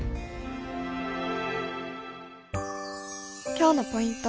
今日のポイント